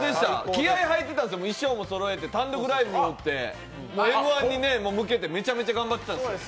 気合い入ってた、衣装もそろえて単独ライブもあって、「Ｍ−１」に向けてめちゃめちゃ頑張ってたんすよ。